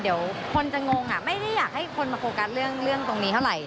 เดี๋ยวคนจะงงไม่ได้อยากให้คนมาโฟกัสเรื่องตรงนี้เท่าไหร่